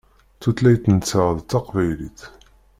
Tutlayt-nteɣ d taqbaylit.